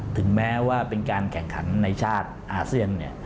ถึงแม้ว่าเป็นการแข่งขันในชาติอาเซียน